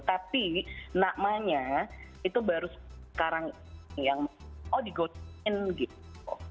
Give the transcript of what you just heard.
tapi nakmanya itu baru sekarang yang oh di ghosting gitu